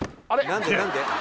何で何で？